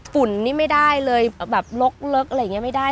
ฝุ่นนี่ไม่ได้เลยแบบลกอะไรอย่างนี้ไม่ได้